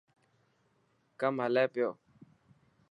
ڪم هلي پيو.